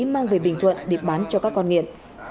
mang về bình thuận để bán cho các con nghiện